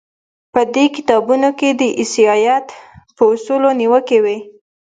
په دې کتابونو کې د عیسایت په اصولو نیوکې وې.